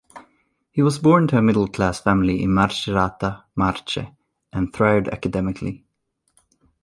He was born to a middle-class family in Macerata, Marche, and thrived academically.